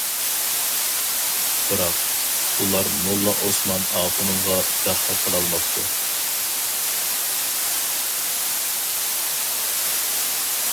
بىراق، ئۇلار موللا ئوسمان ئاخۇنۇمغا دەخلى قىلالماپتۇ.